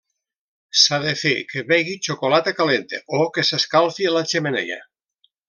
S'ha de fer que begui xocolata calenta o que s'escalfi a la xemeneia.